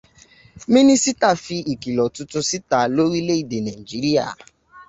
Mínísítà fi ìkìlọ̀ tuntun síta lórílẹ̀-èdè Nàíjíríà.